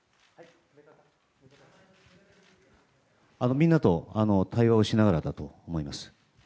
みんなと対話をしながらだと思います。